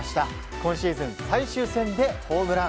今シーズン最終戦でホームラン。